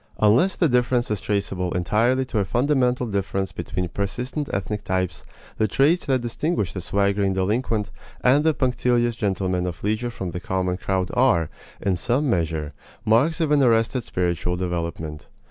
Unless the difference is traceable entirely to a fundamental difference between persistent ethnic types, the traits that distinguish the swaggering delinquent and the punctilious gentleman of leisure from the common crowd are, in some measure, marks of an arrested spiritual development.